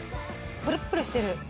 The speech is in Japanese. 「プルップルしてる」